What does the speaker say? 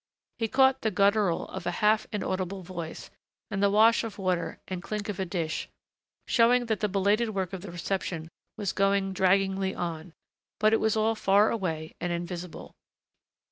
He caught the guttural of a half inaudible voice, and the wash of water and clink of a dish, showing that the belated work of the reception was going draggingly on, but it was all far away and invisible.